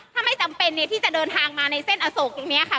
ถ้าไม่จำเป็นเนี้ยที่จะเดินทางมาในเส้นอโศกอยู่เนี้ยค่ะ